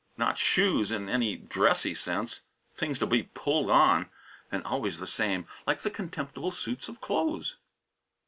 Not shoes, in any dressy sense. Things to be pulled on. And always the same, like the contemptible suits of clothes.